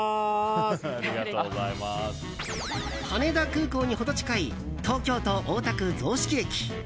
羽田空港に程近い東京都大田区雑色駅。